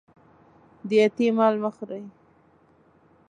د یتيم مال مه خوري